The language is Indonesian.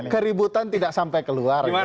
keributan tidak sampai keluar